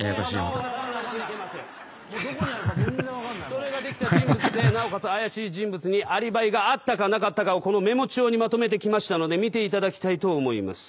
それができた人物でなおかつ怪しい人物にアリバイがあったかなかったかをこのメモ帳にまとめてきましたので見ていただきたいと思います。